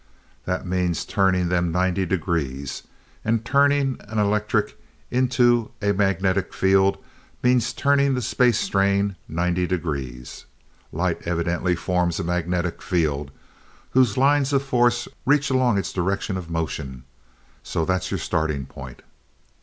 That means turning them ninety degrees, and turning an electric into a magnetic field means turning the space strain ninety degrees. Light evidently forms a magnetic field whose lines of force reach along its direction of motion, so that's your starting point."